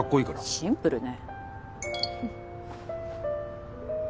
シンプルね。